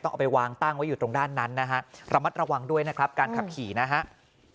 เอาไปวางตั้งไว้อยู่ตรงด้านนั้นนะฮะระมัดระวังด้วยนะครับการขับขี่นะฮะ